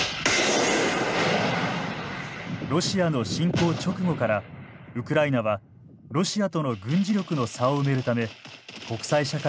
ロシアの侵攻直後からウクライナはロシアとの軍事力の差を埋めるため国際社会に対し協力を要請していました。